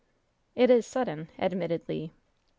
"It is sudden," admitted Le.